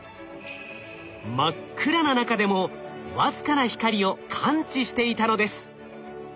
真っ暗な中でもわずかな光を感知していたのです。